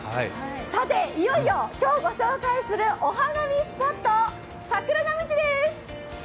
さて、いよいよ今日ご紹介するお花見スポット、桜並木でーす。